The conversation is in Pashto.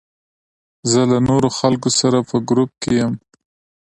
زه له نورو خلکو سره په ګروپ کې یم.